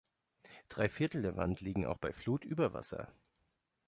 Drei Viertel der Wand liegen auch bei Flut über Wasser.